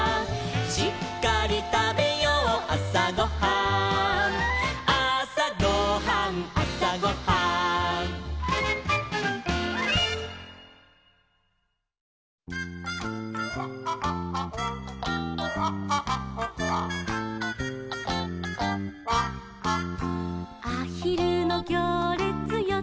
「しっかりたべようあさごはん」「あさごはんあさごはん」「あひるのぎょうれつよちよちよち」